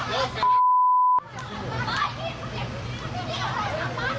จ้างคมครับ